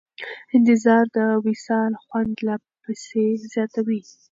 انتظار د وصال خوند لا پسې زیاتوي.